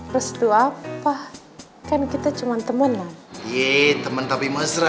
restu apa kan kita cuman temen ye temen tapi mesra